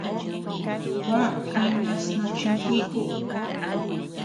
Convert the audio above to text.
Juó jinas no chinjíku.